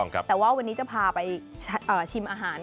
ครับครับครับครับ